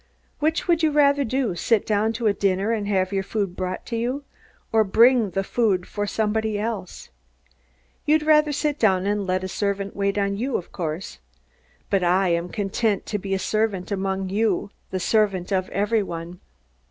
Which would you rather do sit down to a dinner and have your food brought to you, or bring the food for somebody else? You'd rather sit down and let a servant wait on you, of course. But I am content to be a servant among you, the servant of everyone."